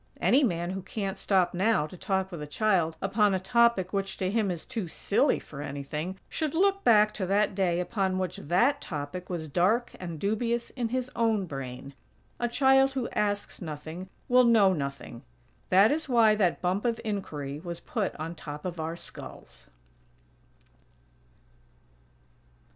Any man who "can't stop now" to talk with a child upon a topic which, to him is "too silly for anything," should look back to that day upon which that topic was dark and dubious in his own brain. A child who asks nothing will know nothing. That is why that "bump of inquiry" was put on top of our skulls.